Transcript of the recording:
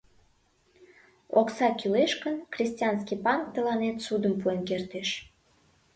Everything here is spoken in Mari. Окса кӱлеш гын, крестьянский банк тыланет ссудым пуэн кертеш.